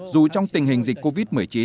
dù trong tình hình dịch covid một mươi chín